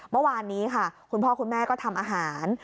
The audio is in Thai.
เมื่อวานนี้ค่ะคุณพ่อคุณแม่ก็ทำอาหาร